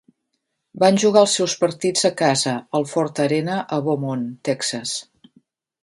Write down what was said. Van jugar els seus partits a casa al Ford Arena a Beaumont, Texas.